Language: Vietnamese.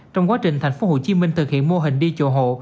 trong quá trình tp hcm thực hiện mô hình đi chùa hộ